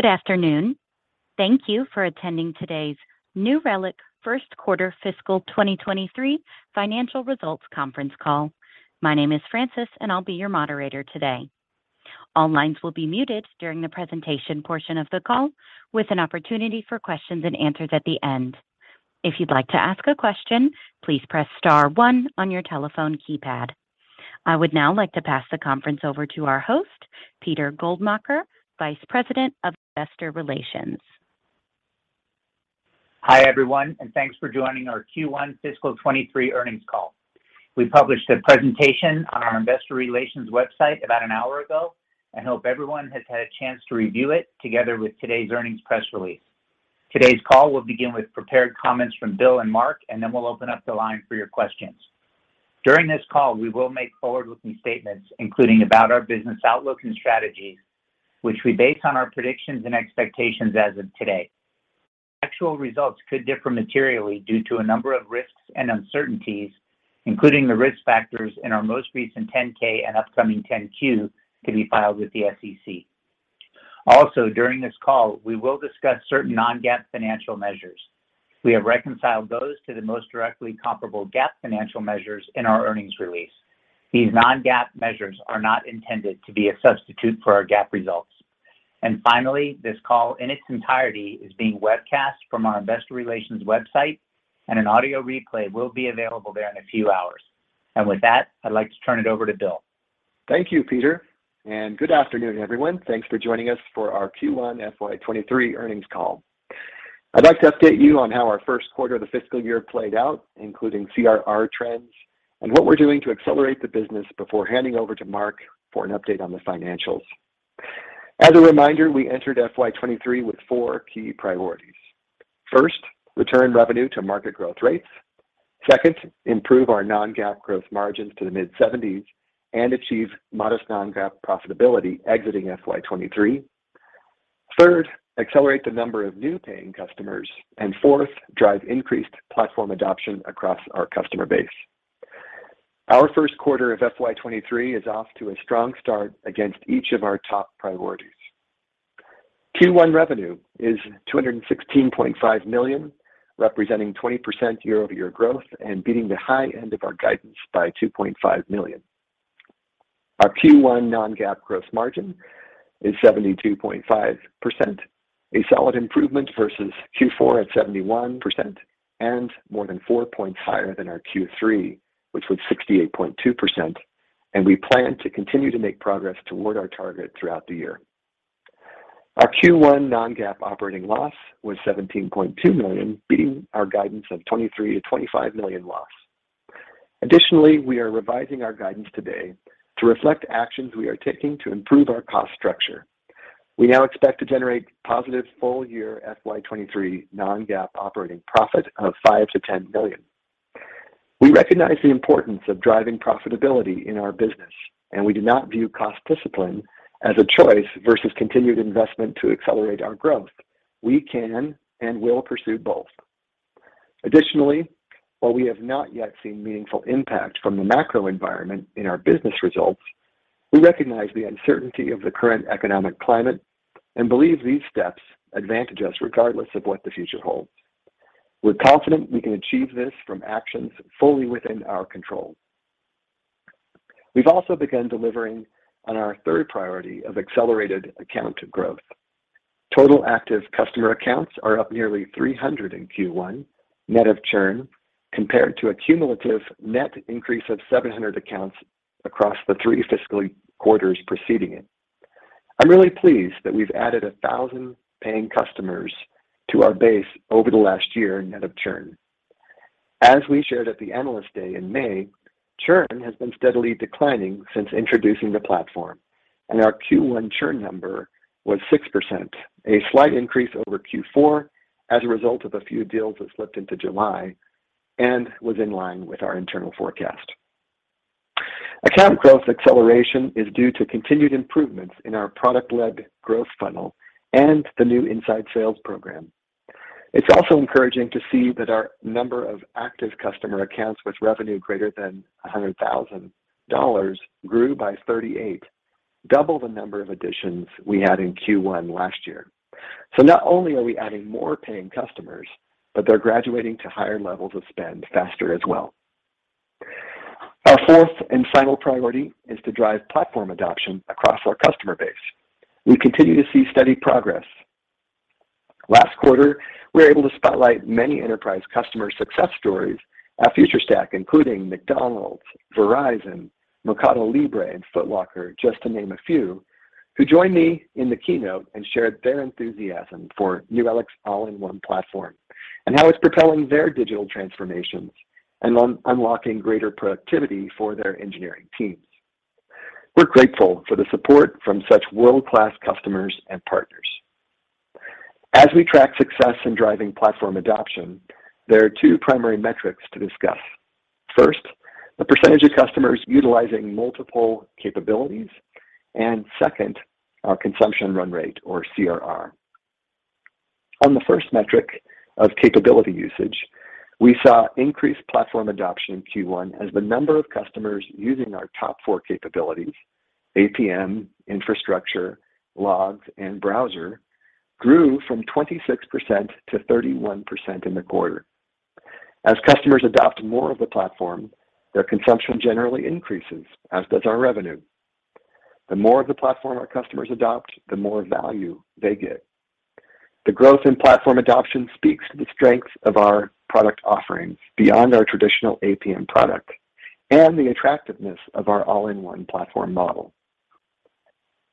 Good afternoon. Thank you for attending today's New Relic first quarter fiscal 2023 financial results conference call. My name is Francis, and I'll be your moderator today. All lines will be muted during the presentation portion of the call, with an opportunity for questions-and-answers at the end. If you'd like to ask a question, please press star one on your telephone keypad. I would now like to pass the conference over to our host, Peter Goldmacher, Vice President of Investor Relations. Hi, everyone, and thanks for joining our Q1 fiscal 2023 earnings call. We published a presentation on our investor relations website about an hour ago and hope everyone has had a chance to review it together with today's earnings press release. Today's call will begin with prepared comments from Bill and Mark, and then we'll open up the line for your questions. During this call, we will make forward-looking statements, including about our business outlook and strategies, which we base on our predictions and expectations as of today. Actual results could differ materially due to a number of risks and uncertainties, including the risk factors in our most recent 10-K and upcoming 10-Q to be filed with the SEC. Also, during this call, we will discuss certain non-GAAP financial measures. We have reconciled those to the most directly comparable GAAP financial measures in our earnings release. These non-GAAP measures are not intended to be a substitute for our GAAP results. Finally, this call in its entirety is being webcast from our investor relations website, and an audio replay will be available there in a few hours. With that, I'd like to turn it over to Bill. Thank you, Peter, and good afternoon, everyone. Thanks for joining us for our Q1 FY 2023 earnings call. I'd like to update you on how our first quarter of the fiscal year played out, including CRR trends and what we're doing to accelerate the business before handing over to Mark for an update on the financials. As a reminder, we entered FY 2023 with four key priorities. First, return revenue to market growth rates. Second, improve our non-GAAP growth margins to the mid-70s and achieve modest non-GAAP profitability exiting FY 2023. Third, accelerate the number of new paying customers. Fourth, drive increased platform adoption across our customer base. Our first quarter of FY 2023 is off to a strong start against each of our top priorities. Q1 revenue is $216.5 million, representing 20% year-over-year growth and beating the high end of our guidance by $2.5 million. Our Q1 non-GAAP gross margin is 72.5%, a solid improvement versus Q4 at 71% and more than four points higher than our Q3, which was 68.2%, and we plan to continue to make progress toward our target throughout the year. Our Q1 non-GAAP operating loss was $17.2 million, beating our guidance of $23 million-$25 million loss. Additionally, we are revising our guidance today to reflect actions we are taking to improve our cost structure. We now expect to generate positive full year FY 2023 non-GAAP operating profit of $5 million-$10 million. We recognize the importance of driving profitability in our business, and we do not view cost discipline as a choice versus continued investment to accelerate our growth. We can and will pursue both. Additionally, while we have not yet seen meaningful impact from the macro environment in our business results, we recognize the uncertainty of the current economic climate and believe these steps advantage us regardless of what the future holds. We're confident we can achieve this from actions fully within our control. We've also begun delivering on our third priority of accelerated account growth. Total active customer accounts are up nearly 300 in Q1, net of churn, compared to a cumulative net increase of 700 accounts across the three fiscal quarters preceding it. I'm really pleased that we've added 1,000 paying customers to our base over the last year net of churn. As we shared at the Analyst Day in May, churn has been steadily declining since introducing the platform, and our Q1 churn number was 6%, a slight increase over Q4 as a result of a few deals that slipped into July and was in line with our internal forecast. Account growth acceleration is due to continued improvements in our product-led growth funnel and the new inside sales program. It's also encouraging to see that our number of active customer accounts with revenue greater than $100,000 grew by 38, double the number of additions we had in Q1 last year. Not only are we adding more paying customers, but they're graduating to higher levels of spend faster as well. Our fourth and final priority is to drive platform adoption across our customer base. We continue to see steady progress. Last quarter, we were able to spotlight many enterprise customer success stories at FutureStack, including McDonald's, Verizon, MercadoLibre, and Foot Locker, just to name a few, who joined me in the keynote and shared their enthusiasm for New Relic's all-in-one platform and how it's propelling their digital transformations and unlocking greater productivity for their engineering teams. We're grateful for the support from such world-class customers and partners. As we track success in driving platform adoption, there are two primary metrics to discuss. First, the percentage of customers utilizing multiple capabilities, and second, our consumption run rate or CRR. On the first metric of capability usage, we saw increased platform adoption in Q1 as the number of customers using our top four capabilities, APM, infrastructure, logs, and browser, grew from 26% to 31% in the quarter. As customers adopt more of the platform, their consumption generally increases, as does our revenue. The more of the platform our customers adopt, the more value they get. The growth in platform adoption speaks to the strength of our product offerings beyond our traditional APM product and the attractiveness of our all-in-one platform model.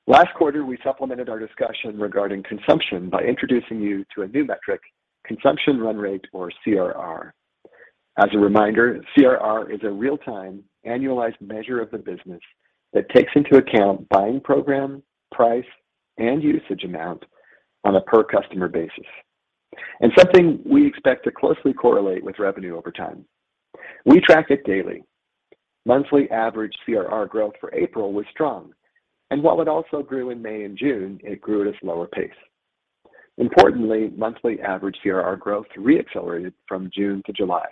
Last quarter, we supplemented our discussion regarding consumption by introducing you to a new metric, consumption run rate, or CRR. As a reminder, CRR is a real-time annualized measure of the business that takes into account buying program, price, and usage amount on a per customer basis, and something we expect to closely correlate with revenue over time. We track it daily. Monthly average CRR growth for April was strong, and while it also grew in May and June, it grew at a slower pace. Importantly, monthly average CRR growth re-accelerated from June to July.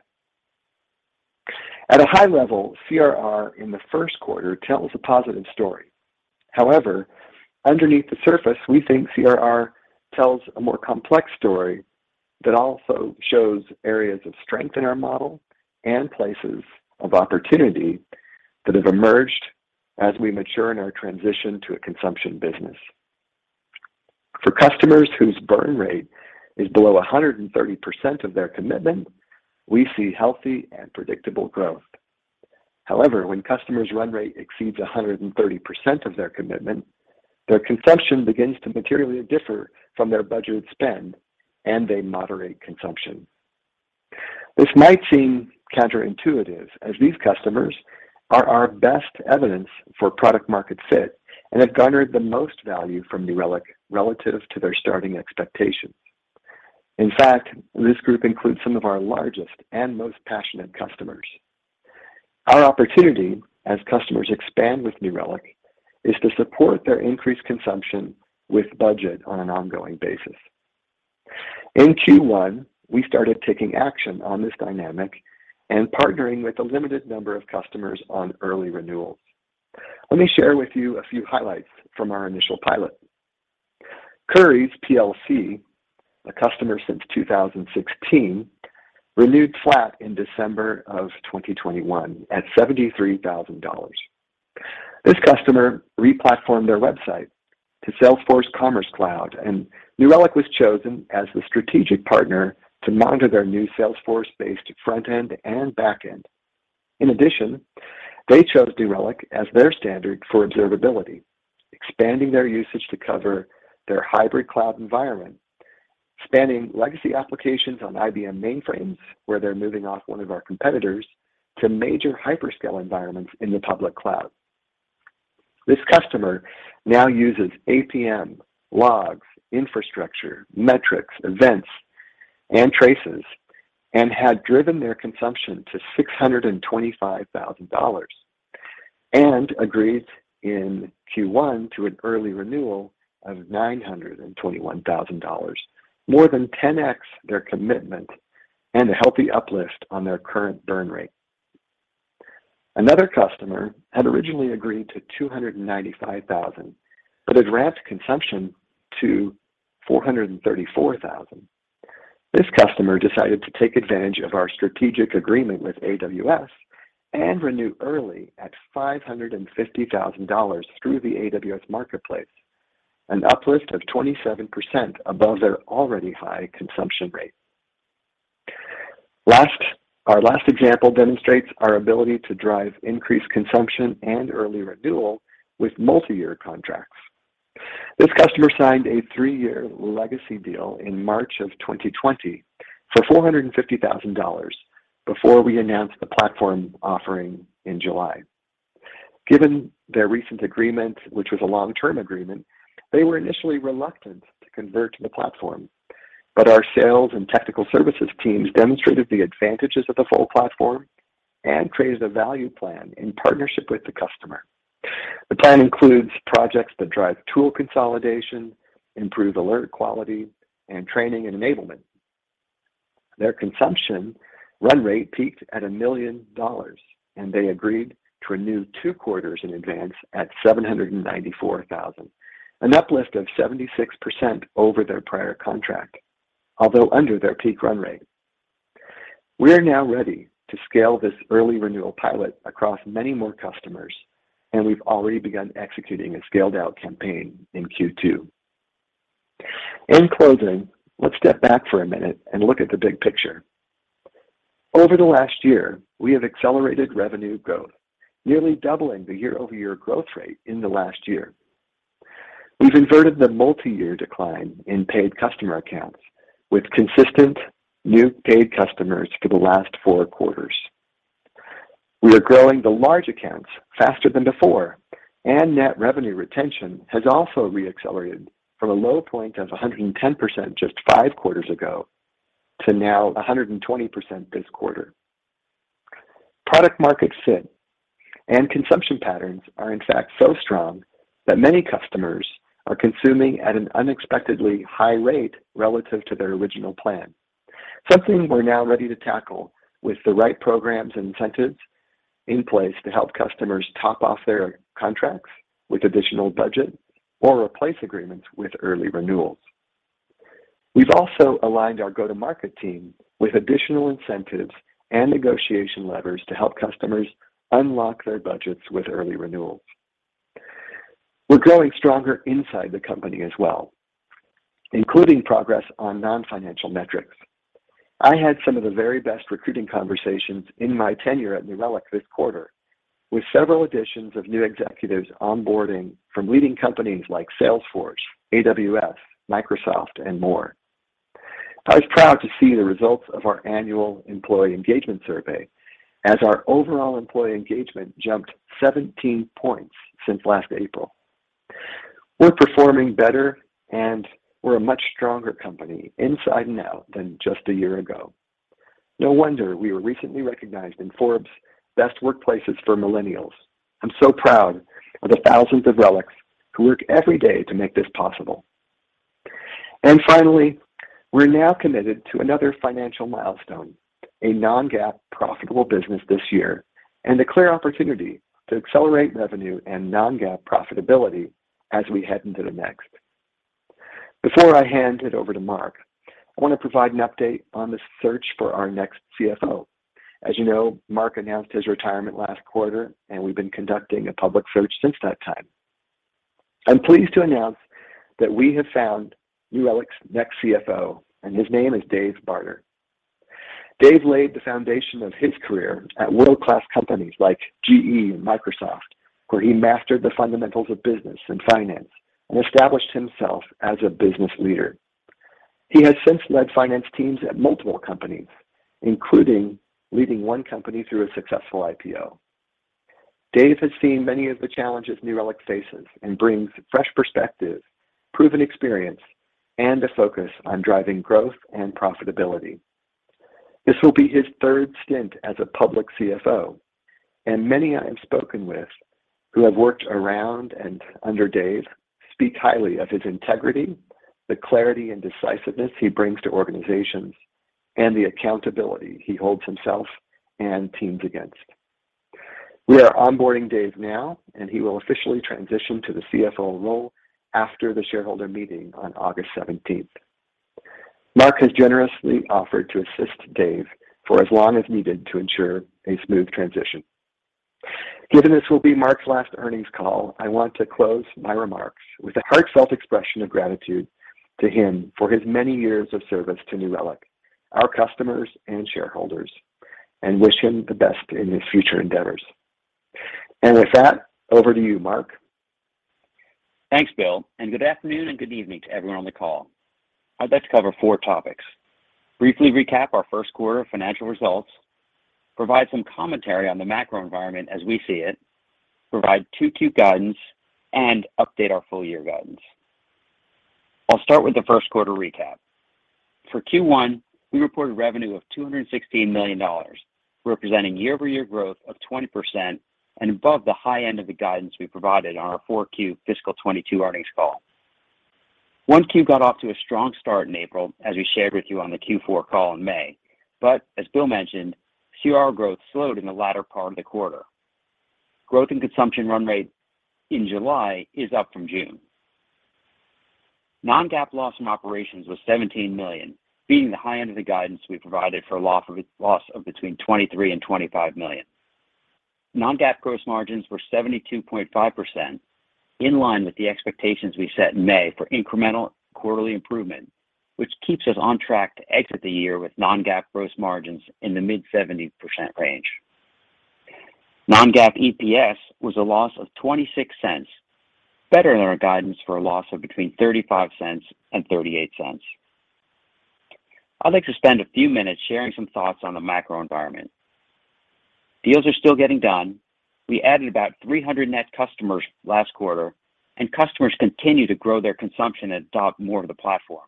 At a high level, CRR in the first quarter tells a positive story. However, underneath the surface, we think CRR tells a more complex story that also shows areas of strength in our model and places of opportunity that have emerged as we mature in our transition to a consumption business. For customers whose burn rate is below 130% of their commitment, we see healthy and predictable growth. However, when customers' run rate exceeds 130% of their commitment, their consumption begins to materially differ from their budgeted spend, and they moderate consumption. This might seem counterintuitive as these customers are our best evidence for product market fit and have garnered the most value from New Relic relative to their starting expectations. In fact, this group includes some of our largest and most passionate customers. Our opportunity as customers expand with New Relic is to support their increased consumption with budget on an ongoing basis. In Q1, we started taking action on this dynamic and partnering with a limited number of customers on early renewals. Let me share with you a few highlights from our initial pilot. Currys plc, a customer since 2016, renewed flat in December 2021 at $73,000. This customer re-platformed their website to Salesforce Commerce Cloud, and New Relic was chosen as the strategic partner to monitor their new Salesforce-based front end and back end. In addition, they chose New Relic as their standard for observability, expanding their usage to cover their hybrid cloud environment, spanning legacy applications on IBM mainframes, where they're moving off one of our competitors, to major hyperscale environments in the public cloud. This customer now uses APM, logs, infrastructure, metrics, events, and traces and had driven their consumption to $625,000 and agreed in Q1 to an early renewal of $921,000, more than 10x their commitment and a healthy uplift on their current burn rate. Another customer had originally agreed to $295,000, but had ramped consumption to $434,000. This customer decided to take advantage of our strategic agreement with AWS and renew early at $550,000 through the AWS Marketplace, an uplift of 27% above their already high consumption rate. Last, our last example demonstrates our ability to drive increased consumption and early renewal with multi-year contracts. This customer signed a three-year legacy deal in March 2020 for $450,000 before we announced the platform offering in July. Given their recent agreement, which was a long-term agreement, they were initially reluctant to convert to the platform, but our sales and technical services teams demonstrated the advantages of the full platform and created a value plan in partnership with the customer. The plan includes projects that drive tool consolidation, improve alert quality, and training and enablement. Their consumption run rate peaked at $1 million, and they agreed to renew two quarters in advance at $794,000, an uplift of 76% over their prior contract, although under their peak run rate. We are now ready to scale this early renewal pilot across many more customers, and we've already begun executing a scaled-out campaign in Q2. In closing, let's step back for a minute and look at the big picture. Over the last year, we have accelerated revenue growth, nearly doubling the year-over-year growth rate in the last year. We've inverted the multi-year decline in paid customer accounts with consistent new paid customers for the last four quarters. We are growing the large accounts faster than before, and net revenue retention has also re-accelerated from a low point of 110% just five quarters ago to now 120% this quarter. Product market fit and consumption patterns are in fact so strong that many customers are consuming at an unexpectedly high rate relative to their original plan. Something we're now ready to tackle with the right programs and incentives in place to help customers top off their contracts with additional budget or replace agreements with early renewals. We've also aligned our go-to-market team with additional incentives and negotiation levers to help customers unlock their budgets with early renewals. We're growing stronger inside the company as well, including progress on non-financial metrics. I had some of the very best recruiting conversations in my tenure at New Relic this quarter, with several additions of new executives onboarding from leading companies like Salesforce, AWS, Microsoft, and more. I was proud to see the results of our annual employee engagement survey as our overall employee engagement jumped 17 points since last April. We're performing better, and we're a much stronger company inside and out than just a year ago. No wonder we were recently recognized in Forbes Best Workplaces for Millennials. I'm so proud of the thousands of Relics who work every day to make this possible. Finally, we're now committed to another financial milestone, a non-GAAP profitable business this year, and a clear opportunity to accelerate revenue and non-GAAP profitability as we head into the next. Before I hand it over to Mark, I want to provide an update on the search for our next CFO. As you know, Mark announced his retirement last quarter, and we've been conducting a public search since that time. I'm pleased to announce that we have found New Relic's next CFO, and his name is David Barter. David laid the foundation of his career at world-class companies like GE and Microsoft, where he mastered the fundamentals of business and finance and established himself as a business leader. He has since led finance teams at multiple companies, including leading one company through a successful IPO. Dave has seen many of the challenges New Relic faces and brings fresh perspective, proven experience, and a focus on driving growth and profitability. This will be his third stint as a public CFO, and many I have spoken with who have worked around and under Dave speak highly of his integrity, the clarity and decisiveness he brings to organizations, and the accountability he holds himself and teams against. We are onboarding Dave now, and he will officially transition to the CFO role after the shareholder meeting on August seventeenth. Mark has generously offered to assist Dave for as long as needed to ensure a smooth transition. Given this will be Mark's last earnings call, I want to close my remarks with a heartfelt expression of gratitude to him for his many years of service to New Relic, our customers, and shareholders, and wish him the best in his future endeavors. With that, over to you, Mark. Thanks, Bill, and good afternoon and good evening to everyone on the call. I'd like to cover four topics. Briefly recap our first quarter financial results, provide some commentary on the macro environment as we see it, provide Q2 guidance, and update our full-year guidance. I'll start with the first quarter recap. For Q1, we reported revenue of $216 million, representing year-over-year growth of 20% and above the high end of the guidance we provided on our Q4 fiscal 2022 earnings call. Q1 got off to a strong start in April, as we shared with you on the Q4 call in May. As Bill mentioned, CRR growth slowed in the latter part of the quarter. Growth and consumption run rate in July is up from June. Non-GAAP loss in operations was $17 million, beating the high end of the guidance we provided for a loss of between $23 million and $25 million. Non-GAAP gross margins were 72.5% in line with the expectations we set in May for incremental quarterly improvement, which keeps us on track to exit the year with non-GAAP gross margins in the mid-70% range. Non-GAAP EPS was a loss of $0.26, better than our guidance for a loss of between $0.35 and $0.38. I'd like to spend a few minutes sharing some thoughts on the macro environment. Deals are still getting done. We added about 300 net customers last quarter, and customers continue to grow their consumption and adopt more of the platform.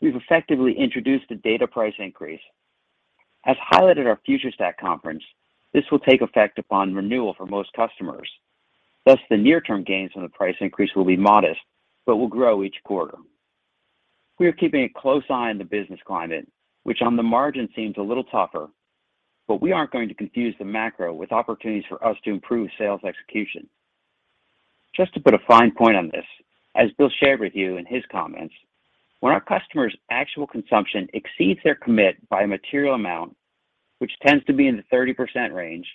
We've effectively introduced a data price increase. As highlighted at our FutureStack conference, this will take effect upon renewal for most customers. Thus, the near term gains on the price increase will be modest but will grow each quarter. We are keeping a close eye on the business climate, which on the margin seems a little tougher, but we aren't going to confuse the macro with opportunities for us to improve sales execution. Just to put a fine point on this, as Bill shared with you in his comments, when our customers' actual consumption exceeds their commit by a material amount, which tends to be in the 30% range,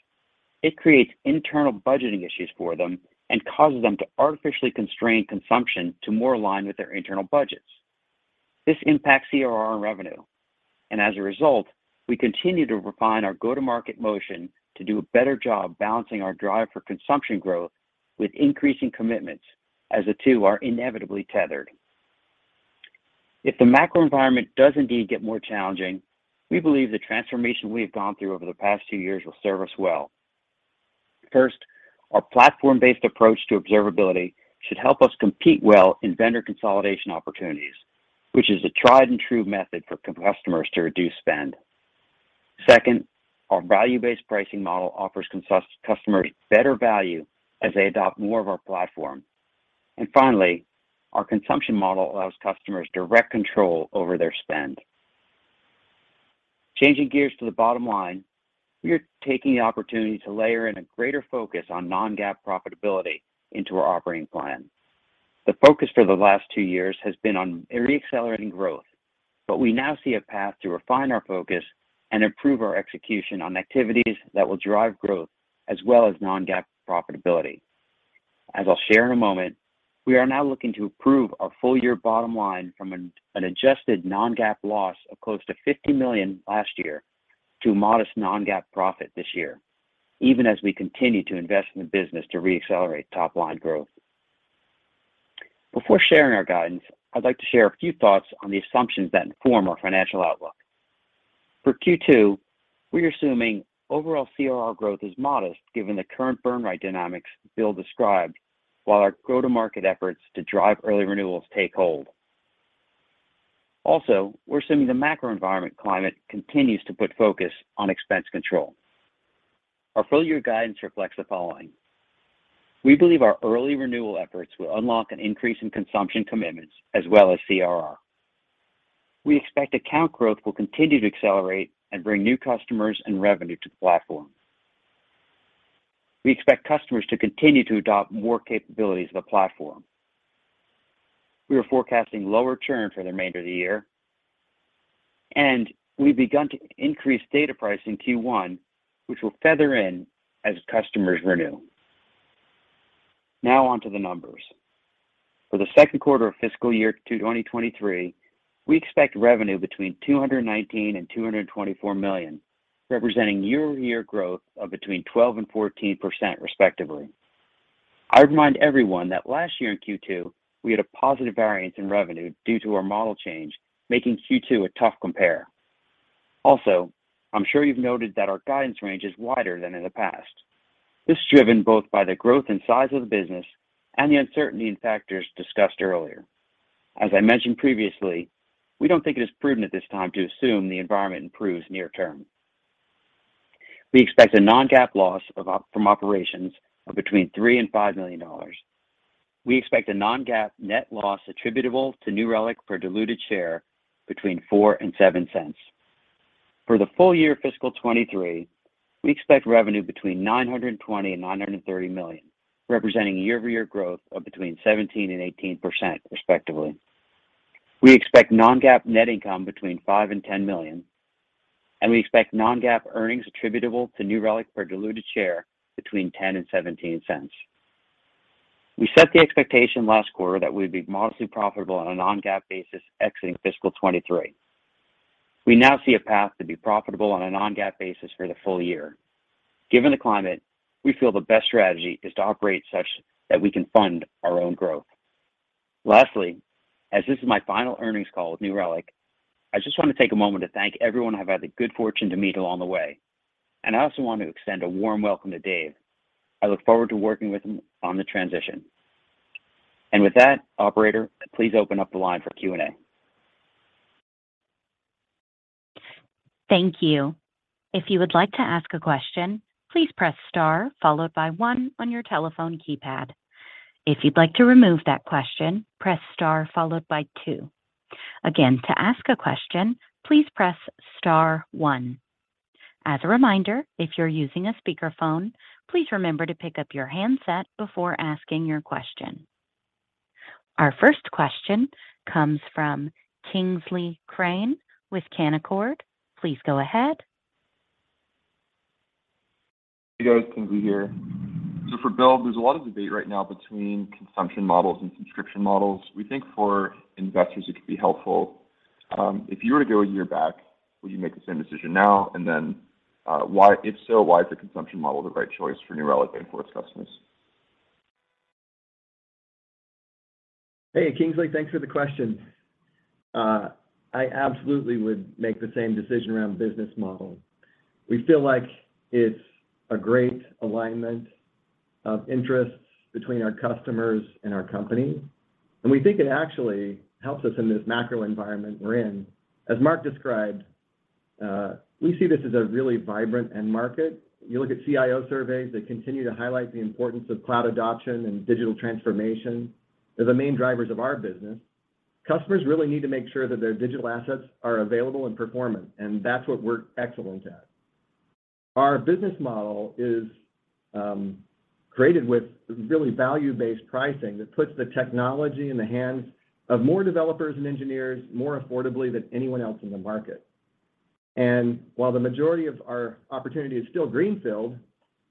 it creates internal budgeting issues for them and causes them to artificially constrain consumption to more align with their internal budgets. This impacts CRR and revenue. As a result, we continue to refine our go-to-market motion to do a better job balancing our drive for consumption growth with increasing commitments, as the two are inevitably tethered. If the macro environment does indeed get more challenging, we believe the transformation we have gone through over the past two years will serve us well. First, our platform-based approach to observability should help us compete well in vendor consolidation opportunities, which is a tried and true method for customers to reduce spend. Second, our value-based pricing model offers customers better value as they adopt more of our platform. Finally, our consumption model allows customers direct control over their spend. Changing gears to the bottom line, we are taking the opportunity to layer in a greater focus on non-GAAP profitability into our operating plan. The focus for the last two years has been on re-accelerating growth, but we now see a path to refine our focus and improve our execution on activities that will drive growth as well as non-GAAP profitability. As I'll share in a moment, we are now looking to improve our full year bottom line from an adjusted non-GAAP loss of close to $50 million last year to modest non-GAAP profit this year, even as we continue to invest in the business to re-accelerate top line growth. Before sharing our guidance, I'd like to share a few thoughts on the assumptions that inform our financial outlook. For Q2, we're assuming overall CRR growth is modest given the current burn rate dynamics Bill described while our go-to-market efforts to drive early renewals take hold. Also, we're assuming the macro environment climate continues to put focus on expense control. Our full year guidance reflects the following. We believe our early renewal efforts will unlock an increase in consumption commitments as well as CRR. We expect account growth will continue to accelerate and bring new customers and revenue to the platform. We expect customers to continue to adopt more capabilities of the platform. We are forecasting lower churn for the remainder of the year, and we've begun to increase data pricing in Q1, which will feather in as customers renew. Now on to the numbers. For the second quarter of fiscal year 2023, we expect revenue between $219 million and $224 million, representing year-over-year growth of between 12% and 14% respectively. I remind everyone that last year in Q2, we had a positive variance in revenue due to our model change, making Q2 a tough compare. I'm sure you've noted that our guidance range is wider than in the past. This is driven both by the growth and size of the business and the uncertainty in factors discussed earlier. As I mentioned previously, we don't think it is prudent at this time to assume the environment improves near term. We expect a non-GAAP operating loss from operations of between $3 million and $5 million. We expect a non-GAAP net loss attributable to New Relic per diluted share between $0.04 and $0.07. For the full year fiscal 2023, we expect revenue between $920 million and $930 million, representing year-over-year growth of between 17% and 18% respectively. We expect non-GAAP net income between $5 million and $10 million, and we expect non-GAAP earnings attributable to New Relic per diluted share between $0.10 and $0.17. We set the expectation last quarter that we'd be modestly profitable on a non-GAAP basis exiting fiscal 2023. We now see a path to be profitable on a non-GAAP basis for the full year. Given the climate, we feel the best strategy is to operate such that we can fund our own growth. Lastly, as this is my final earnings call with New Relic, I just want to take a moment to thank everyone I've had the good fortune to meet along the way, and I also want to extend a warm welcome to Dave. I look forward to working with him on the transition. With that, operator, please open up the line for Q&A. Thank you. If you would like to ask a question, please press star followed by one on your telephone keypad. If you'd like to remove that question, press star followed by two. Again, to ask a question, please press star one. As a reminder, if you're using a speakerphone, please remember to pick up your handset before asking your question. Our first question comes from Kingsley Crane with Canaccord. Please go ahead. Hey, guys, Kingsley here. For Bill, there's a lot of debate right now between consumption models and subscription models. We think for investors it could be helpful. If you were to go a year back, would you make the same decision now? Why? If so, why is the consumption model the right choice for New Relic and for its customers? Hey, Kingsley. Thanks for the question. I absolutely would make the same decision around business model. We feel like it's a great alignment of interests between our customers and our company, and we think it actually helps us in this macro environment we're in. As Mark described, we see this as a really vibrant end market. You look at CIO surveys, they continue to highlight the importance of cloud adoption and digital transformation. They're the main drivers of our business. Customers really need to make sure that their digital assets are available and performant, and that's what we're excellent at. Our business model is created with really value-based pricing that puts the technology in the hands of more developers and engineers more affordably than anyone else in the market. While the majority of our opportunity is still greenfield,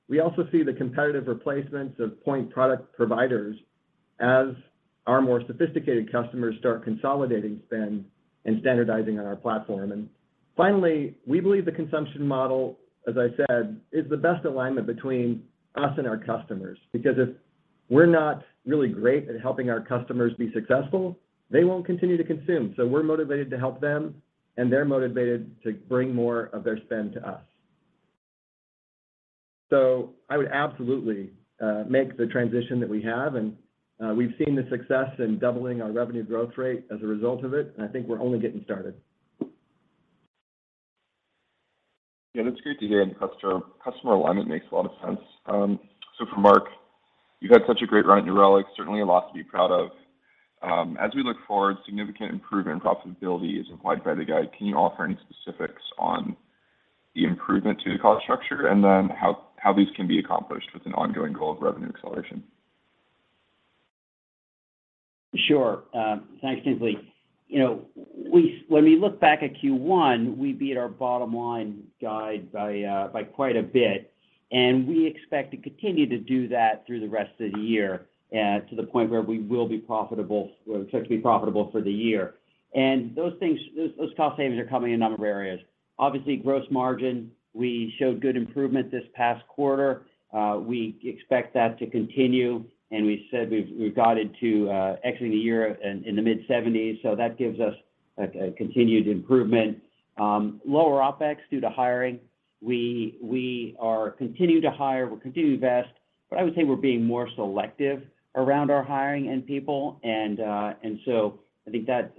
we also see the competitive replacements of point product providers as our more sophisticated customers start consolidating spend and standardizing on our platform. Finally, we believe the consumption model, as I said, is the best alignment between us and our customers because it's We're not really great at helping our customers be successful, they won't continue to consume. We're motivated to help them, and they're motivated to bring more of their spend to us. I would absolutely make the transition that we have, and we've seen the success in doubling our revenue growth rate as a result of it, and I think we're only getting started. Yeah, that's great to hear, and customer alignment makes a lot of sense. So for Mark, you've had such a great run at New Relic, certainly a lot to be proud of. As we look forward, significant improvement in profitability is implied by the guide. Can you offer any specifics on the improvement to the cost structure? Then how these can be accomplished with an ongoing goal of revenue acceleration? Sure. Thanks, Kingsley. When we look back at Q1, we beat our bottom line guide by quite a bit, and we expect to continue to do that through the rest of the year, to the point where we expect to be profitable for the year. Those things, those cost savings are coming in a number of areas. Obviously, gross margin, we showed good improvement this past quarter. We expect that to continue, and we said we've guided to exiting the year in the mid-70s%, so that gives us a continued improvement. Lower OPEX due to hiring. We are continuing to hire, we're continuing to invest, but I would say we're being more selective around our hiring and people. I think that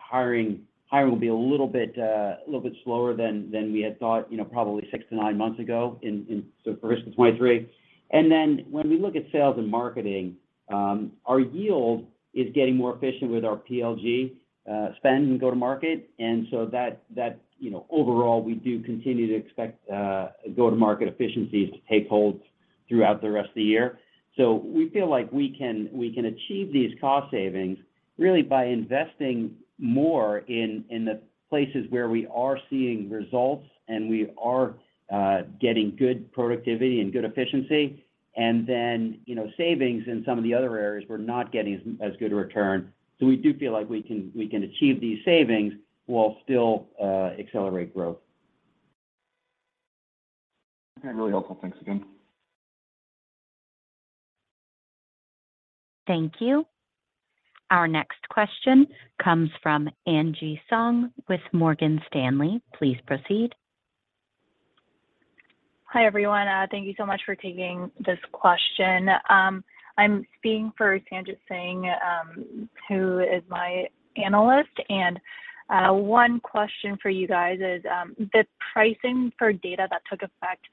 hiring will be a little bit slower than we had thought, you know, probably 6-9 months ago in sort of the rest of 2023. When we look at sales and marketing, our yield is getting more efficient with our PLG spend and go-to-market. Overall, we do continue to expect go-to-market efficiencies to take hold throughout the rest of the year. We feel like we can achieve these cost savings really by investing more in the places where we are seeing results and we are getting good productivity and good efficiency. You know, savings in some of the other areas we're not getting as good a return. We do feel like we can achieve these savings while still accelerate growth. Okay. Really helpful. Thanks again. Thank you. Our next question comes from Sanjit Singh with Morgan Stanley. Please proceed. Hi, everyone. Thank you so much for taking this question. I'm speaking for Sanjit Singh, who is my analyst. One question for you guys is, the pricing for data that took effect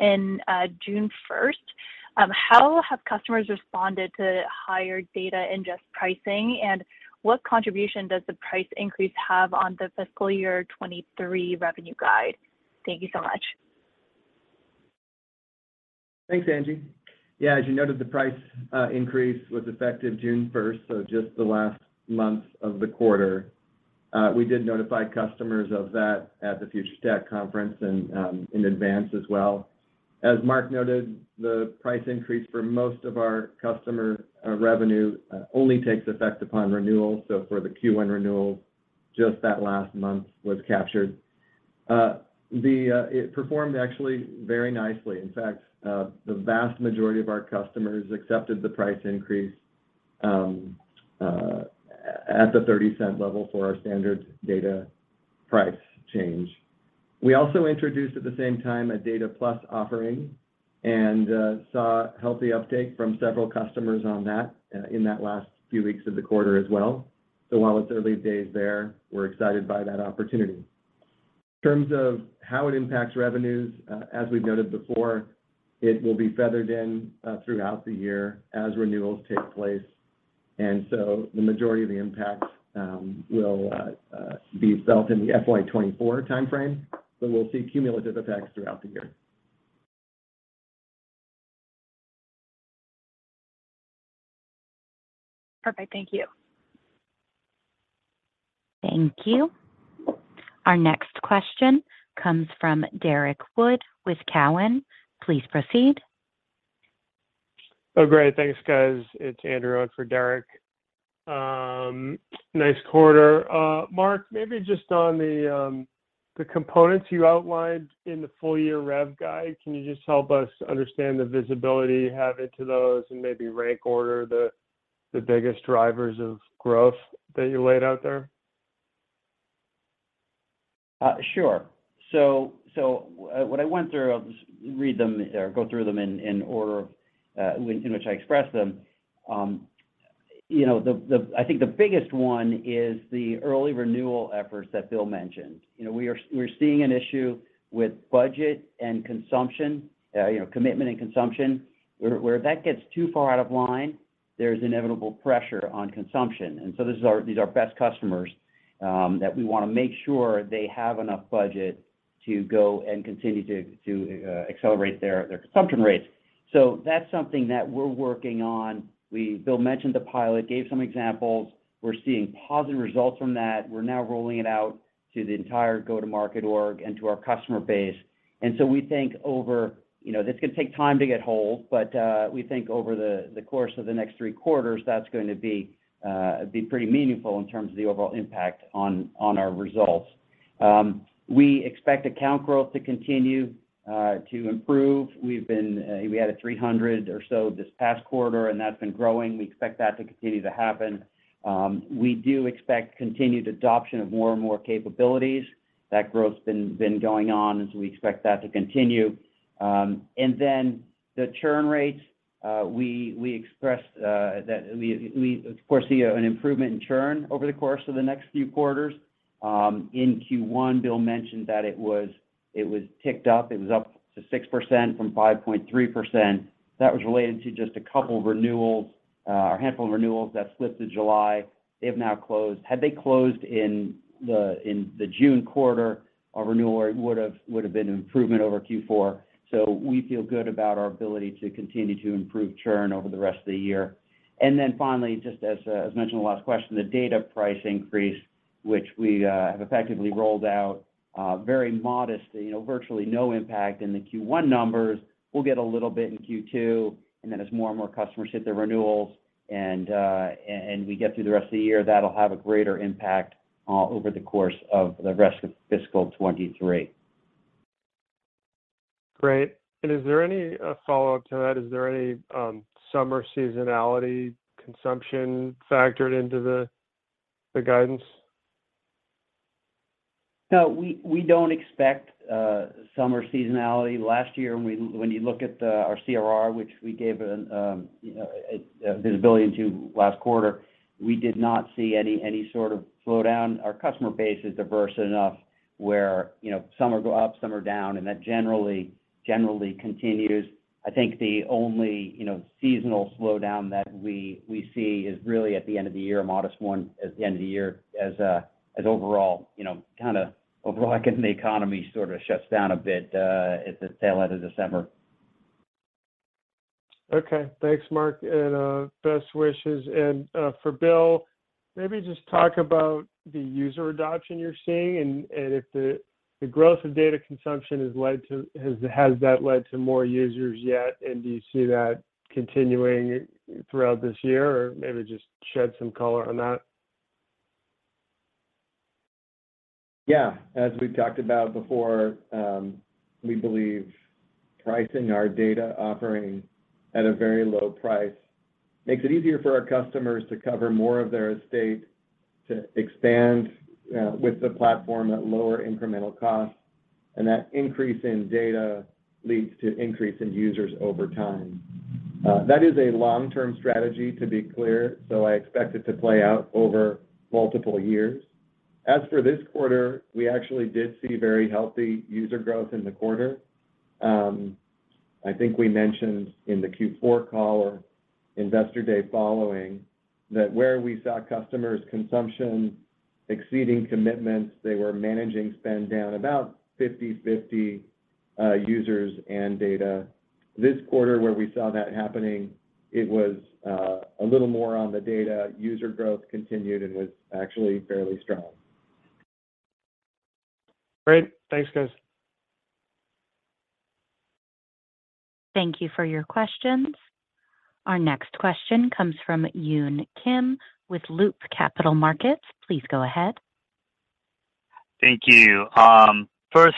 in June 1st, how have customers responded to higher data ingest pricing, and what contribution does the price increase have on the fiscal year 2023 revenue guide? Thank you so much. Thanks, Sanjit. Yeah, as you noted, the price increase was effective June first, so just the last month of the quarter. We did notify customers of that at the FutureStack conference and in advance as well. As Mark noted, the price increase for most of our customer revenue only takes effect upon renewal. So for the Q1 renewal, just that last month was captured. It performed actually very nicely. In fact, the vast majority of our customers accepted the price increase at the $0.30 Level for our standard data price change. We also introduced at the same time a Data Plus offering and saw healthy uptake from several customers on that in that last few weeks of the quarter as well. So while it's early days there, we're excited by that opportunity. In terms of how it impacts revenues, as we've noted before, it will be phased in throughout the year as renewals take place. The majority of the impact will be felt in the FY 2024 timeframe, but we'll see cumulative effects throughout the year. Perfect. Thank you. Thank you. Our next question comes from Derrick Wood with Cowen. Please proceed. Oh, great. Thanks, guys. It's Andrew in for Derrick. Nice quarter. Mark, maybe just on the components you outlined in the full year rev guide, can you just help us understand the visibility you have into those and maybe rank order the biggest drivers of growth that you laid out there? Sure. What I went through, I'll just read them or go through them in order in which I expressed them. You know, I think the biggest one is the early renewal efforts that Bill mentioned. You know, we're seeing an issue with budget and consumption, you know, commitment and consumption. Where that gets too far out of line, there's inevitable pressure on consumption. These are our best customers that we wanna make sure they have enough budget to go and continue to accelerate their consumption rates. That's something that we're working on. Bill mentioned the pilot, gave some examples. We're seeing positive results from that. We're now rolling it out to the entire go-to-market org and to our customer base. We think over, you know, this is gonna take time to get hold, but we think over the course of the next three quarters, that's going to be pretty meaningful in terms of the overall impact on our results. We expect account growth to continue to improve. We've been we had 300 or so this past quarter, and that's been growing. We expect that to continue to happen. We do expect continued adoption of more and more capabilities. That growth's been going on, and so we expect that to continue. And then the churn rates, we expressed that we of course see an improvement in churn over the course of the next few quarters. In Q1, Bill mentioned that it was ticked up. It was up to 6% from 5.3%. That was related to just a couple renewals, or a handful of renewals that slipped to July. They have now closed. Had they closed in the June quarter, our renewal would have been an improvement over Q4. We feel good about our ability to continue to improve churn over the rest of the year. Finally, just as mentioned in the last question, the data price increase, which we have effectively rolled out, very modest, you know, virtually no impact in the Q1 numbers. We'll get a little bit in Q2, and then as more and more customers hit the renewals and we get through the rest of the year, that'll have a greater impact, over the course of the rest of fiscal 2023. Great. Is there any follow-up to that? Is there any summer seasonality consumption factored into the guidance? No, we don't expect summer seasonality. Last year when you look at our CRR, which we gave a visibility into last quarter, we did not see any sort of slowdown. Our customer base is diverse enough where some are go up, some are down, and that generally continues. I think the only seasonal slowdown that we see is really at the end of the year, a modest one at the end of the year as overall you kind of overall, I guess, the economy sort of shuts down a bit at the tail end of December. Okay. Thanks, Mark, and best wishes. For Bill, maybe just talk about the user adoption you're seeing and if the growth of data consumption has led to more users yet? Do you see that continuing throughout this year? Or maybe just shed some color on that. Yeah. As we've talked about before, we believe pricing our data offering at a very low price makes it easier for our customers to cover more of their estate to expand with the platform at lower incremental costs. That increase in data leads to increase in users over time. That is a long-term strategy, to be clear, so I expect it to play out over multiple years. As for this quarter, we actually did see very healthy user growth in the quarter. I think we mentioned in the Q4 call or Investor Day following that where we saw customers' consumption exceeding commitments, they were managing spend down about 50/50, users and data. This quarter, where we saw that happening, it was a little more on the data. User growth continued and was actually fairly strong. Great. Thanks, guys. Thank you for your questions. Our next question comes from Yoon Kim with Loop Capital Markets. Please go ahead. Thank you. First,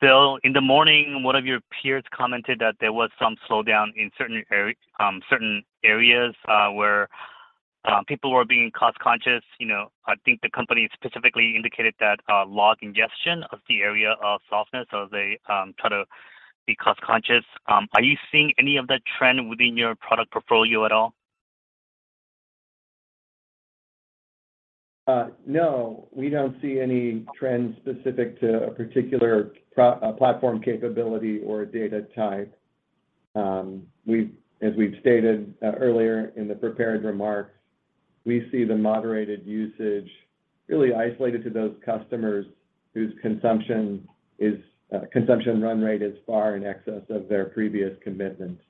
Bill, in the morning, one of your peers commented that there was some slowdown in certain areas where people were being cost-conscious. You know, I think the company specifically indicated that log ingestion was the area of softness as they try to be cost-conscious. Are you seeing any of that trend within your product portfolio at all? No, we don't see any trends specific to a particular product or platform capability or data type. As we've stated earlier in the prepared remarks, we see the moderated usage really isolated to those customers whose consumption run rate is far in excess of their previous commitments.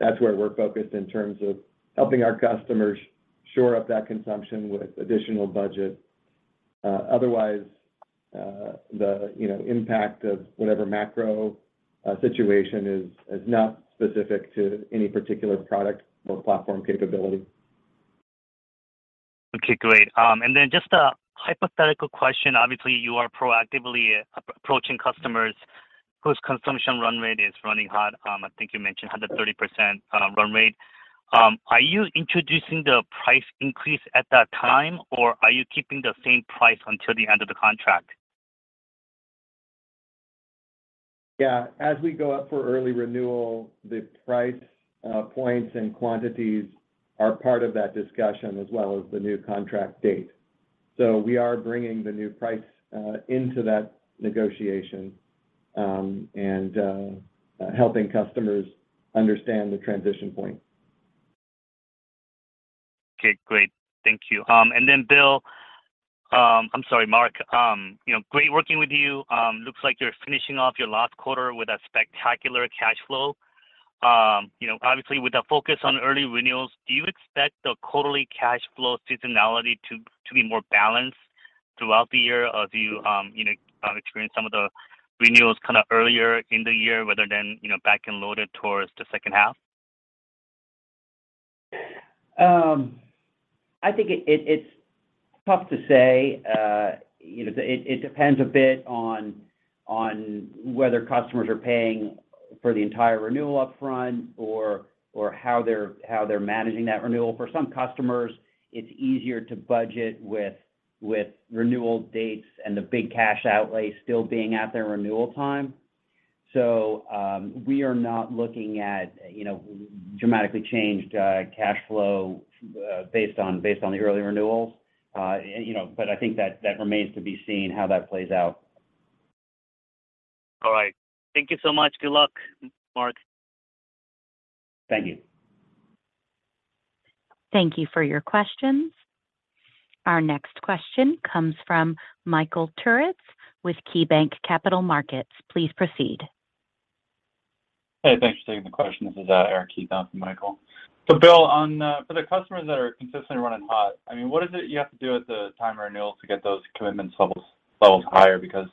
That's where we're focused in terms of helping our customers shore up that consumption with additional budget. Otherwise, the, you know, impact of whatever macro situation is not specific to any particular product or platform capability. Okay, great. Just a hypothetical question. Obviously, you are proactively approaching customers whose consumption run rate is running hot. I think you mentioned 130% run rate. Are you introducing the price increase at that time, or are you keeping the same price until the end of the contract? Yeah. As we go up for early renewal, the price points and quantities are part of that discussion as well as the new contract date. We are bringing the new price into that negotiation, and helping customers understand the transition point. Okay, great. Thank you. Bill, I'm sorry, Mark, you know, great working with you. Looks like you're finishing off your last quarter with a spectacular cash flow. You know, obviously, with the focus on early renewals, do you expect the quarterly cash flow seasonality to be more balanced throughout the year? Or do you know, experience some of the renewals kind of earlier in the year rather than, you know, back and loaded towards the second half? I think it's tough to say. You know, it depends a bit on whether customers are paying for the entire renewal upfront or how they're managing that renewal. For some customers, it's easier to budget with renewal dates and the big cash outlay still being at their renewal time. We are not looking at, you know, dramatically changed cash flow based on the early renewals. You know, I think that remains to be seen how that plays out. All right. Thank you so much. Good luck, Mark. Thank you. Thank you for your questions. Our next question comes from Michael Turits with KeyBanc Capital Markets. Please proceed. Hey, thanks for taking the question. This is Eric Heath on for Michael. Bill, on for the customers that are consistently running hot, I mean, what is it you have to do at the time of renewal to get those commitments levels higher? Because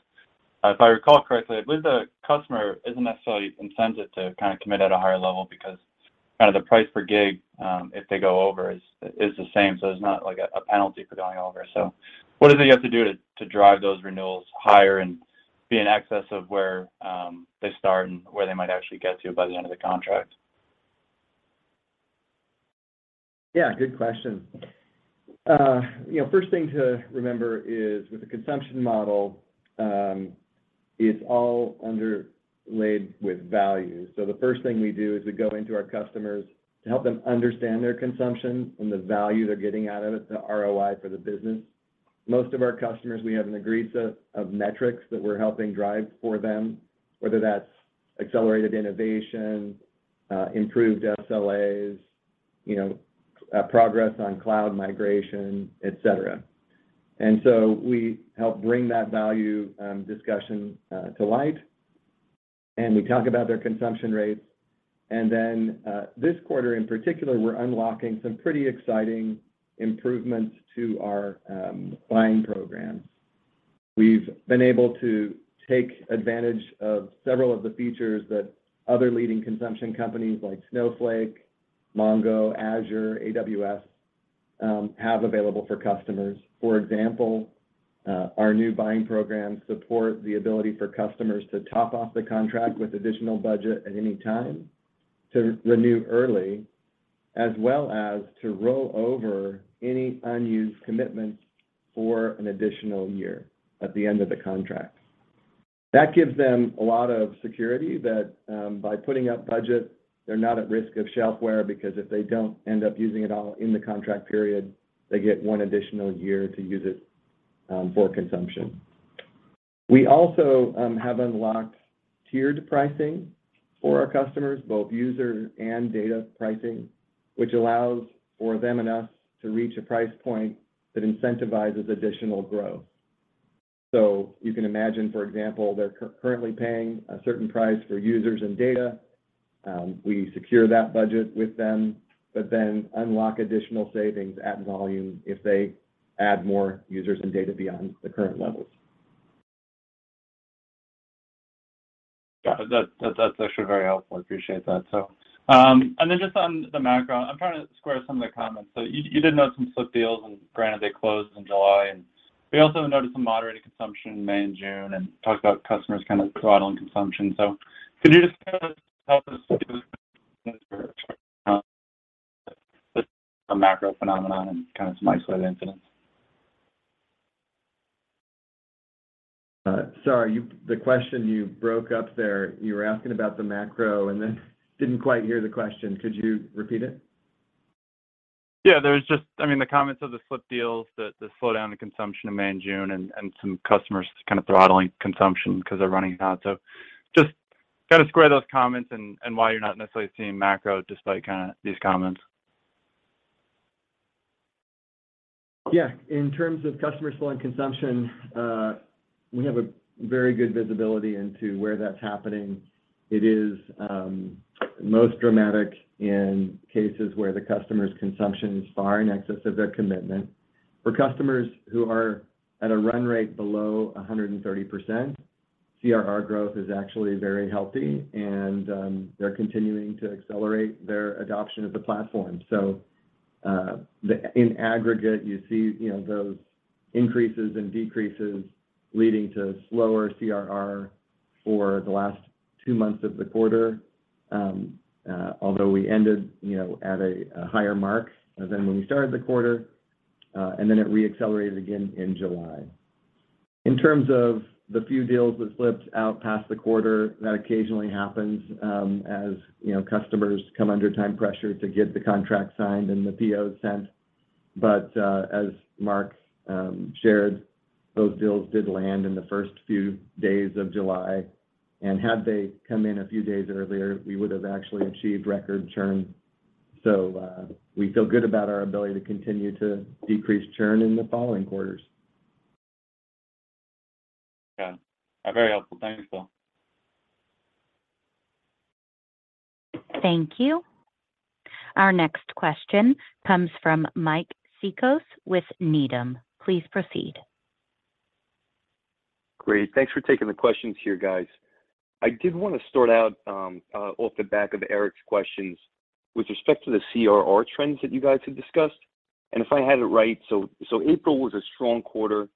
if I recall correctly, I believe the customer isn't necessarily incented to kind of commit at a higher level because kind of the price per gig, if they go over is the same, so there's not like a penalty for going over. What is it you have to do to drive those renewals higher and be in excess of where they start and where they might actually get to by the end of the contract? Yeah, good question. You know, first thing to remember is with the consumption model, it's all underlaid with value. The first thing we do is we go into our customers to help them understand their consumption and the value they're getting out of it, the ROI for the business. Most of our customers, we have an agreed set of metrics that we're helping drive for them, whether that's accelerated innovation, improved SLAs, you know, progress on cloud migration, et cetera. We help bring that value, discussion, to light, and we talk about their consumption rates. This quarter in particular, we're unlocking some pretty exciting improvements to our, buying program. We've been able to take advantage of several of the features that other leading consumption companies like Snowflake, Mongo, Azure, AWS, have available for customers. For example, our new buying program support the ability for customers to top off the contract with additional budget at any time, to renew early, as well as to roll over any unused commitments for an additional year at the end of the contract. That gives them a lot of security that, by putting up budget, they're not at risk of shelfware, because if they don't end up using it all in the contract period, they get one additional year to use it, for consumption. We also have unlocked tiered pricing for our customers, both user and data pricing, which allows for them and us to reach a price point that incentivizes additional growth. You can imagine, for example, they're currently paying a certain price for users and data. We secure that budget with them, but then unlock additional savings at volume if they add more users and data beyond the current levels. Yeah. That's actually very helpful. I appreciate that. Just on the macro, I'm trying to square some of the comments. You did note some slipped deals, and granted they closed in July. We also noted some moderated consumption in May and June, and talked about customers kind of throttling consumption. Could you just help us with a macro phenomenon and kind of some isolated incidents? Sorry. You broke up there. The question, you were asking about the macro, and then didn't quite hear the question. Could you repeat it? Yeah. There was just I mean, the comments of the slipped deals, the slowdown in consumption in May and June, and some customers kind of throttling consumption 'cause they're running hot. Just kinda square those comments and why you're not necessarily seeing macro despite kinda these comments. Yeah. In terms of customer slowing consumption, we have a very good visibility into where that's happening. It is most dramatic in cases where the customer's consumption is far in excess of their commitment. For customers who are at a run rate below 130%, CRR growth is actually very healthy and they're continuing to accelerate their adoption of the platform. In aggregate, you see, you know, those increases and decreases leading to slower CRR for the last two months of the quarter. Although we ended, you know, at a higher mark than when we started the quarter, and then it re-accelerated again in July. In terms of the few deals that slipped out past the quarter, that occasionally happens, as you know, customers come under time pressure to get the contract signed and the POs sent. As Mark shared, those deals did land in the first few days of July, and had they come in a few days earlier, we would've actually achieved record churn. We feel good about our ability to continue to decrease churn in the following quarters. Yeah. Very helpful. Thanks, Bill. Thank you. Our next question comes from Mike Cikos with Needham. Please proceed Great. Thanks for taking the questions here, guys. I did wanna start out, off the back of Eric's questions with respect to the CRR trends that you guys had discussed. If I had it right, April was a strong quarter.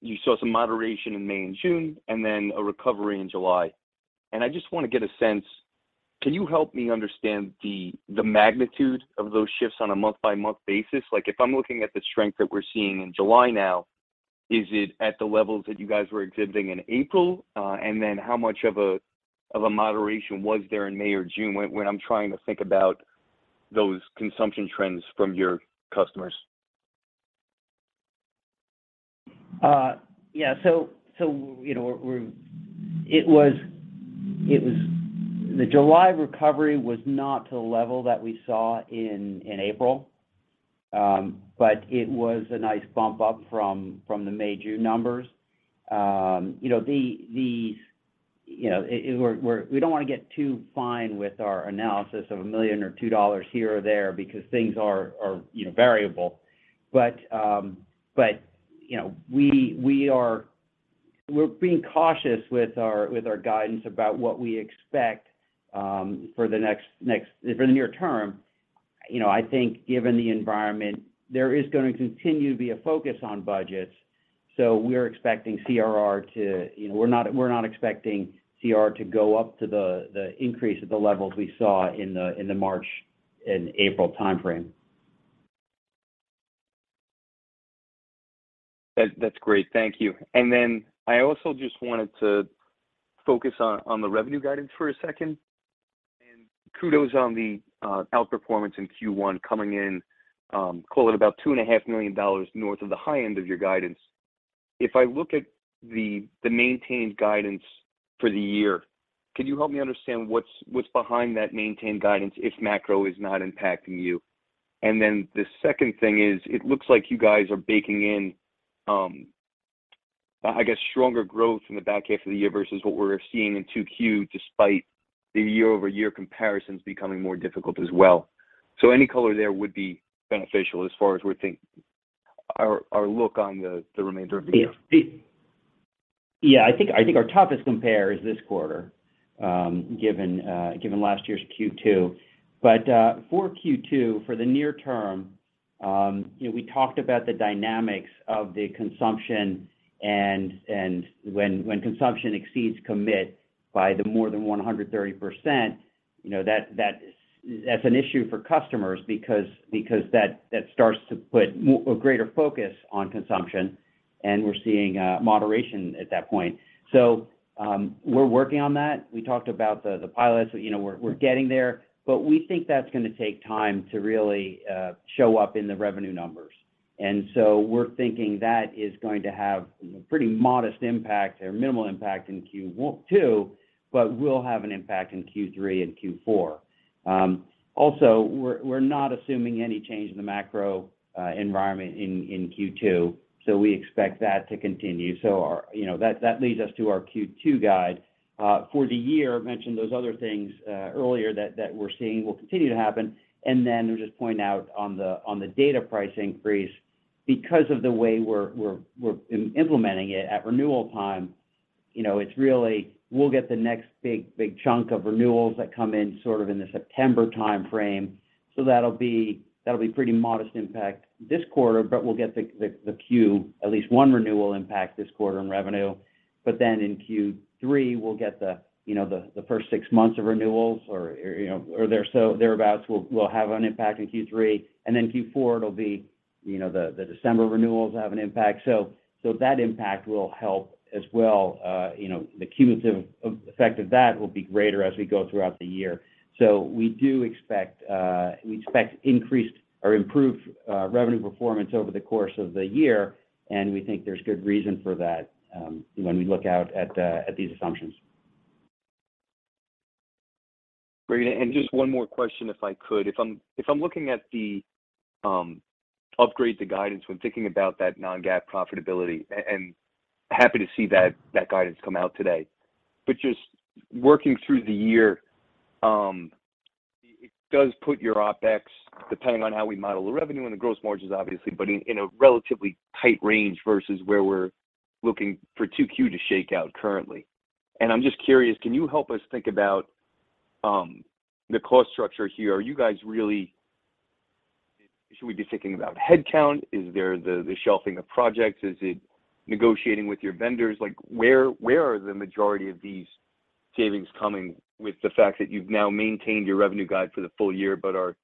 You saw some moderation in May and June, and then a recovery in July. I just wanna get a sense, can you help me understand the magnitude of those shifts on a month by month basis? Like, if I'm looking at the strength that we're seeing in July now, is it at the levels that you guys were exhibiting in April? Then how much of a moderation was there in May or June when I'm trying to think about those consumption trends from your customers? Yeah, you know, the July recovery was not to the level that we saw in April, but it was a nice bump up from the May/June numbers. We don't wanna get too fine with our analysis of $1 million or $2 million here or there because things are, you know, variable. You know, we're being cautious with our guidance about what we expect for the near term. You know, I think given the environment, there is gonna continue to be a focus on budgets, so we're expecting CRR to, you know, we're not expecting CR to go up to the increase at the levels we saw in the March and April timeframe. That's great. Thank you. I also just wanted to focus on the revenue guidance for a second. Kudos on the outperformance in Q1 coming in, call it about $2.5 million north of the high end of your guidance. If I look at the maintained guidance for the year, can you help me understand what's behind that maintained guidance if macro is not impacting you? The second thing is, it looks like you guys are baking in, I guess, stronger growth in the back half of the year versus what we're seeing in Q2 despite the year-over-year comparisons becoming more difficult as well. Any color there would be beneficial as far as we're looking on the remainder of the year. Yeah. I think our toughest compare is this quarter, given last year's Q2. For Q2, for the near term, you know, we talked about the dynamics of the consumption and when consumption exceeds commit by more than 130%, you know, that's an issue for customers because that starts to put a greater focus on consumption, and we're seeing moderation at that point. We're working on that. We talked about the pilots. You know, we're getting there. We think that's gonna take time to really show up in the revenue numbers. We're thinking that is going to have a pretty modest impact or minimal impact in Q2, but will have an impact in Q3 and Q4. Also, we're not assuming any change in the macro environment in Q2, so we expect that to continue. Our you know that leads us to our Q2 guide. For the year, mentioned those other things earlier that we're seeing will continue to happen. To just point out on the data price increase, because of the way we're implementing it at renewal time, you know, it's really we'll get the next big chunk of renewals that come in sort of in the September timeframe. That'll be pretty modest impact this quarter, but we'll get the Q1, at least one renewal impact this quarter in revenue. In Q3, we'll get the first six months of renewals or thereabouts will have an impact in Q3. Q4, it'll be you know the December renewals have an impact. That impact will help as well. You know, the cumulative effect of that will be greater as we go throughout the year. We expect increased or improved revenue performance over the course of the year, and we think there's good reason for that when we look out at these assumptions. Great. Just one more question, if I could. If I'm looking at the upgrade to guidance when thinking about that non-GAAP profitability, and happy to see that guidance come out today. Just working through the year, it does put your OpEx, depending on how we model the revenue and the gross margins obviously, but in a relatively tight range versus where we're looking for Q2 to shake out currently. I'm just curious, can you help us think about the cost structure here? Are you guys really? Should we be thinking about headcount? Is there the shelving of projects? Is it negotiating with your vendors? Like, where are the majority of these savings coming with the fact that you've now maintained your revenue guide for the full year but are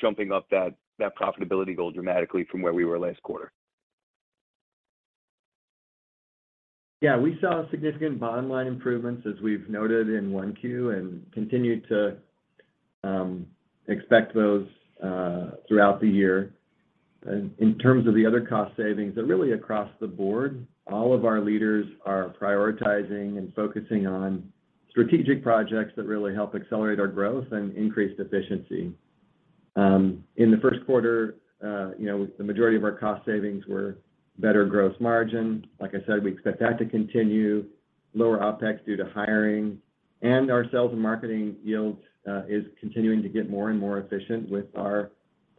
jumping up that profitability goal dramatically from where we were last quarter? Yeah. We saw significant bottom line improvements as we've noted in Q1 and continue to expect those throughout the year. In terms of the other cost savings, they're really across the board. All of our leaders are prioritizing and focusing on strategic projects that really help accelerate our growth and increase efficiency. In the first quarter, you know, the majority of our cost savings were better gross margin. Like I said, we expect that to continue. Lower OPEX due to hiring. Our sales and marketing yields is continuing to get more and more efficient with our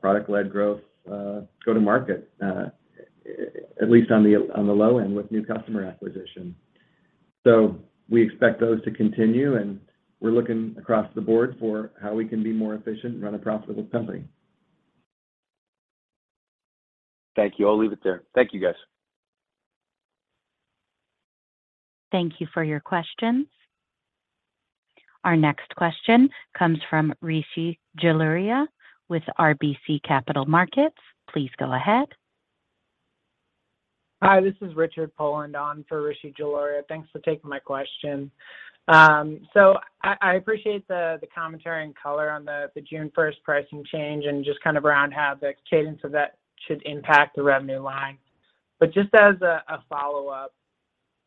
Product-led growth go to market at least on the low end with new customer acquisition. We expect those to continue, and we're looking across the board for how we can be more efficient and run a profitable company. Thank you. I'll leave it there. Thank you, guys. Thank you for your questions. Our next question comes from Rishi Jaluria with RBC Capital Markets. Please go ahead. Hi, this is Richard Poland on for Rishi Jaluria. Thanks for taking my question. I appreciate the commentary and color on the June first pricing change and just kind of around how the cadence of that should impact the revenue line. Just as a follow-up,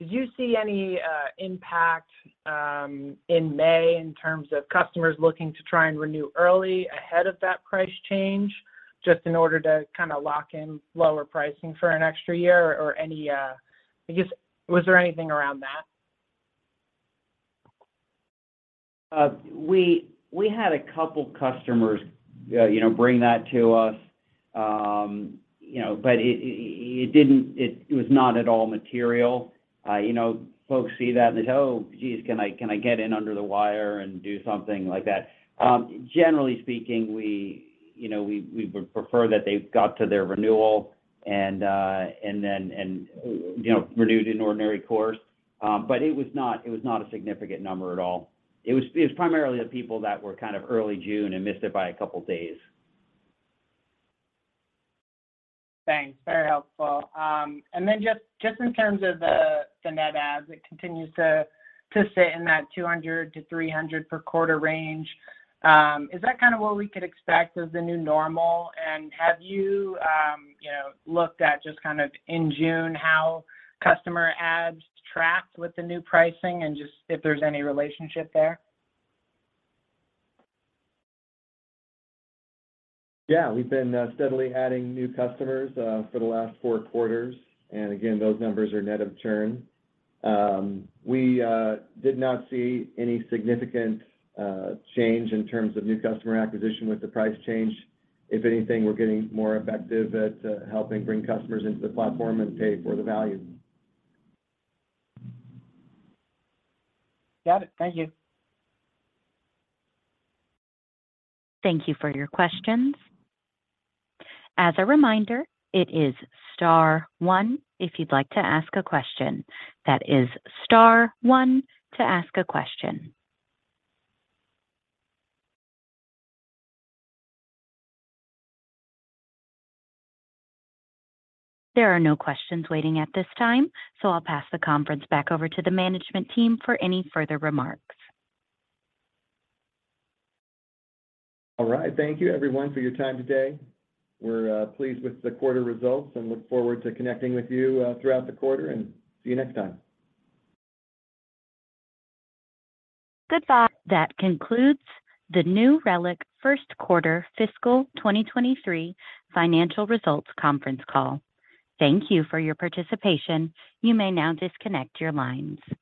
did you see any impact in May in terms of customers looking to try and renew early ahead of that price change just in order to kinda lock in lower pricing for an extra year or any, I guess, was there anything around that? We had a couple customers, you know, bring that to us. You know, but it was not at all material. You know, folks see that and they say, "Oh, geez, can I get in under the wire and do something like that?" Generally speaking, we, you know, would prefer that they got to their renewal and then renewed in ordinary course. But it was not a significant number at all. It was primarily the people that were kind of early June and missed it by a couple days. Thanks. Very helpful. Just in terms of the net adds, it continues to sit in that 200-300 per quarter range. Is that kinda what we could expect as the new normal? Have you know, looked at just kind of in June how customer adds tracked with the new pricing and just if there's any relationship there? Yeah. We've been steadily adding new customers for the last four quarters. Again, those numbers are net of churn. We did not see any significant change in terms of new customer acquisition with the price change. If anything, we're getting more effective at helping bring customers into the platform and pay for the value. Got it. Thank you. Thank you for your questions. As a reminder, it is star one if you'd like to ask a question. That is star one to ask a question. There are no questions waiting at this time, so I'll pass the conference back over to the management team for any further remarks. All right. Thank you everyone for your time today. We're pleased with the quarter results and look forward to connecting with you throughout the quarter, and see you next time. That concludes the New Relic first quarter fiscal 2023 financial results conference call. Thank you for your participation. You may now disconnect your lines.